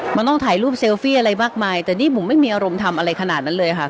มันต้องถ่ายรูปเซลฟี่อะไรมากมายแต่นี่บุ๋มไม่มีอารมณ์ทำอะไรขนาดนั้นเลยค่ะ